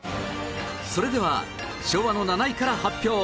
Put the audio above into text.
それでは昭和の７位から発表